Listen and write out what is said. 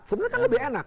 sebenarnya kan lebih enak